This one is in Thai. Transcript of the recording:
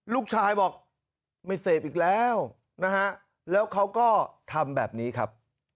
ลูกชายบอกไม่เสพอีกแล้วนะฮะแล้วเขาก็ทำแบบนี้ครับ